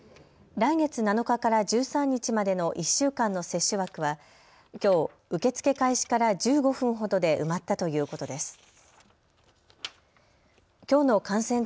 来月７日から１３日までの１週間の接種枠はきょう、受け付け開始から１５分ほどで埋まったということです。